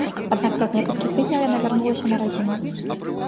Аднак праз некалькі тыдняў яна вярнулася на радзіму.